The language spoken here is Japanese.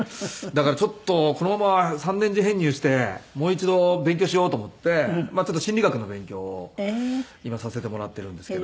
だからちょっとこのまま３年次編入してもう一度勉強しようと思ってまあちょっと心理学の勉強を今させてもらっているんですけど。